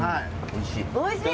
おいしい！